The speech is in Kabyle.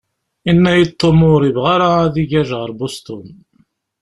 Yenna-iyi-d Tom ur yebɣi ara ad igaj ɣer Boston.